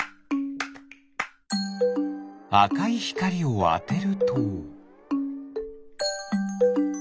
あかいひかりをあてると？